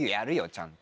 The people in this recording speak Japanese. ちゃんと。